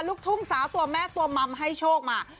ลูกทุ่งสาวตัวแม่ตัวมัมให้โชคมา